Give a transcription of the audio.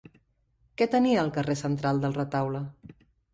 Què tenia el carrer central del retaule?